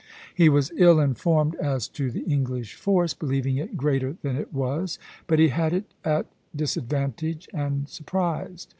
He was ill informed as to the English force, believing it greater than it was; but he had it at disadvantage and surprised.